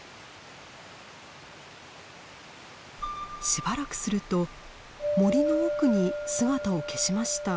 しばらくすると森の奥に姿を消しました。